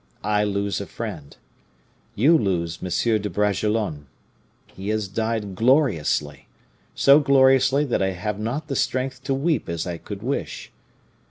I lose a friend. You lose M. de Bragelonne. He has died gloriously, so gloriously that I have not the strength to weep as I could wish.